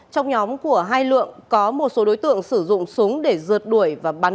trong nhóm của hai lượng có một số đối tượng sử dụng súng để rượt đuổi và bắn